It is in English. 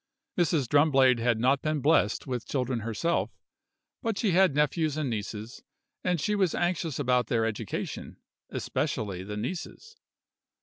Mrs. Drumblade had not been blessed with children herself; but she had nephews and nieces, and she was anxious about their education, especially the nieces.